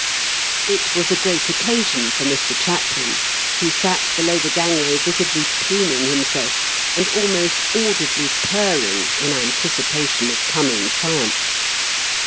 It was a great occasion for Mr. Chaplin, who sat below the gangway visibly pluming himself and almost audibly purring in anticipation of coming triumph.